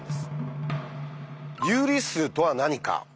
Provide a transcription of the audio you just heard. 有理数とは何か？